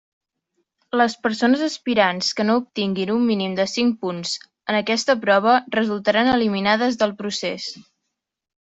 Les persones aspirants que no obtinguin un mínim de cinc punts en aquesta prova resultaran eliminades del procés.